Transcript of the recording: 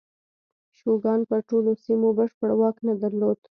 شوګان پر ټولو سیمو بشپړ واک نه درلود.